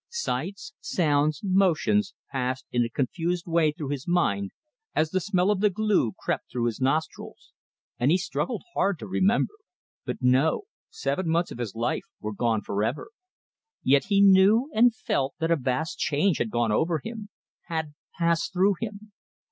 Sights, sounds, motions, passed in a confused way through his mind as the smell of the glue crept through his nostrils; and he struggled hard to remember. But no seven months of his life were gone for ever. Yet he knew and felt that a vast change had gone over him, had passed through him.